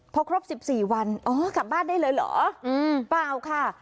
พอครบ๑๔วันอ๋อกลับบ้านได้เลยเหรอเปล่าค่ะ